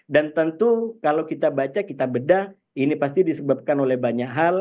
dan tentu kalau kita baca kita bedah ini pasti disebabkan oleh banyak hal